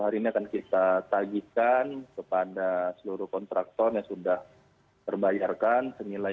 sembilan puluh hari ini akan kita tagihkan kepada seluruh kontraktor yang sudah terbayarkan